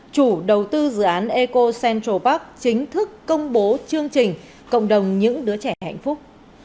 chủ đầu tư dự án eco central park chính thức công bố chương trình cộng đồng những đứa trẻ hạnh phúc